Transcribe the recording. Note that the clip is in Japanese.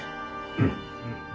うん。